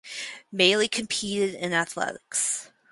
Mali competed in athletics.